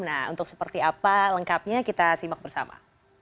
nah untuk seperti apa lengkapnya kita simak bersama